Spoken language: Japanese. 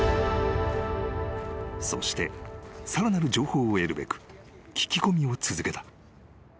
［そしてさらなる情報を得るべく聞き込みを続けた］